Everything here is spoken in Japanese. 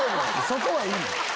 そこはいい。